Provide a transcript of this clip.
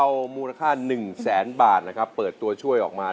อ้าอ้าเงยเรียกไอ้หมา